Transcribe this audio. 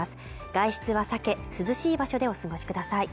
外出は避け、涼しい場所でお過ごしください。